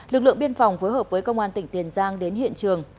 lực lượng biên phòng phối hợp với công an tỉnh tiền giang đến hiện trường